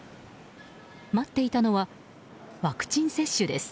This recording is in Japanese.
待っていたのはワクチン接種です。